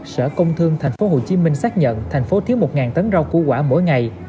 sở công thương thành phố hồ chí minh xác nhận thành phố thiếu một tấn rau cu quả mỗi ngày